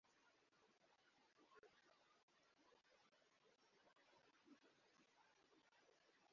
Lakini haijulikani kwa uhakika vyombo hivyo vilikuwa na kazi gani hali halisi.